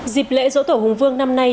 dịp lễ dỗ tổ hùng vương năm nay